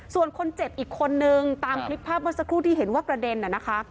ส่วนคนเจ็บอีกคนนึงตามคลิปภาพเมื่อสักครู่ที่เห็นว่ากระเด็นนะคะ